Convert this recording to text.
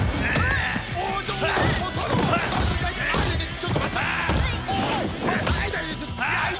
ちょっと待って。